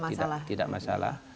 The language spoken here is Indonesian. itu tidak masalah